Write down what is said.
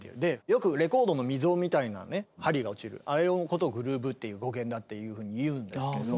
よくレコードの溝みたいなね針が落ちるあれのことをグルーヴっていう語源だっていうふうに言うんですけど。